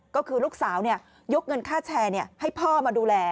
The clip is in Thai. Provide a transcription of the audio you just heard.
ก็คือลูกสาวเนี่ยยกเงินค่าแชร์เนี่ยให้พ่อมาดูแล